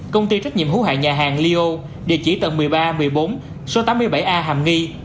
công ty trách nhiệm hữu hạng nhà hàng lion địa chỉ tầng một mươi ba một mươi bốn số tám mươi bảy a hàm nghi